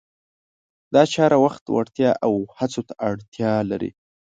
دا چاره وخت، وړتیا او هڅو ته اړتیا لري.